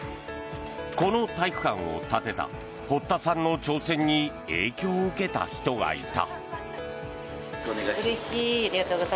この体育館を建てた堀田さんの挑戦に影響を受けた人がいた。